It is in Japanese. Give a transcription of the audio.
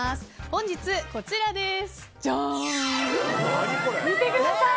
本日、こちらです。